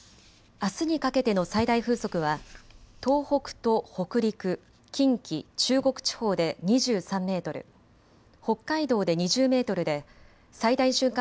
あすにかけての最大風速は東北と北陸、近畿、中国地方で２３メートル、北海道で２０メートルで最大瞬間